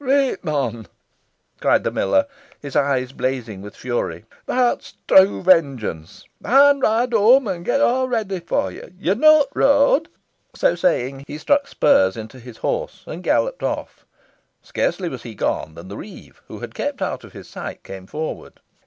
"Reet, mon," cried the miller, his eyes blazing with fury; "that's true vengeance. Ey'n ride whoam an get aw ready fo ye. Yo knoa t' road." So saying, he struck spurs into his horse and galloped off. Scarcely was he gone than the reeve, who had kept out of his sight, came forward.